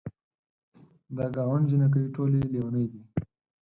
د ګاونډ جینکۍ ټولې لیونۍ دي.